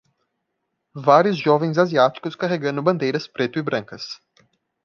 vários jovens asiáticos carregando bandeiras preto e brancas